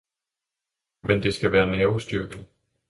men det skal være nervestyrkende.